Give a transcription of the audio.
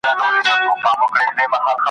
ورته وغوړوي مخ ته د مرګ پړی ,